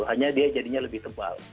hanya dia jadinya lebih tebal